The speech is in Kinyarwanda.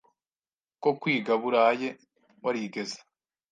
ko kwiga buraye warigeze